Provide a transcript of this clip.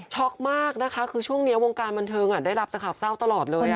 มากนะคะคือช่วงนี้วงการบันเทิงได้รับแต่ข่าวเศร้าตลอดเลย